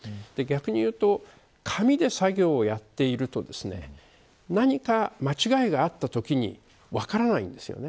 逆に言うと紙で作業をやっていると何か間違いがあったときに分からないんですよね。